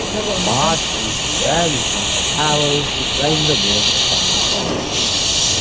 Marge uses Burly paper towels to drain the water from the quarry.